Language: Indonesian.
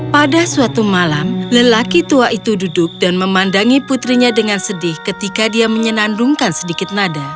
pada suatu malam lelaki tua itu duduk dan memandangi putrinya dengan sedih ketika dia menyenandungkan sedikit nada